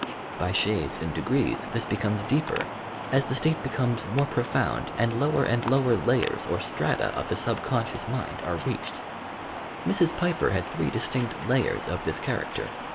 By shades and degrees this becomes deeper, as the state becomes more profound and lower and lower layers or strata of the subconscious mind are reached, Mrs. Piper had three distinct "layers" of this character.